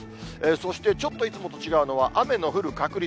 そして、ちょっといつもと違うのは雨の降る確率。